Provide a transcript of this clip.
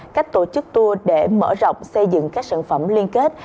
cách tổ chức tour để mở rộng xây dựng các sản phẩm liên kết